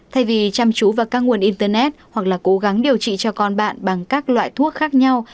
thay vì chăm chú vào các nguồn internet hoặc là cố gắng điều trị cho con bạn bằng các loại thuốc khác nhau